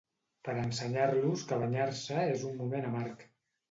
Per ensenyar-los que banyar-se és un moment amarg.